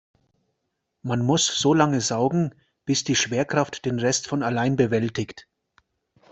Man muss so lange saugen, bis die Schwerkraft den Rest von allein bewältigt.